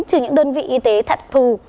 trừ những đơn vị y tế thật thù